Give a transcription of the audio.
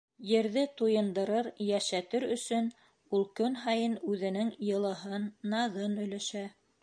Ерҙе туйындырыр, йәшәтер өсөн ул көн һайын үҙенең йылыһын, наҙын өлөшә.